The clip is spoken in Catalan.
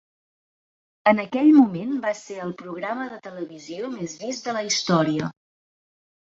En aquell moment va ser el programa de televisió més vist de la història.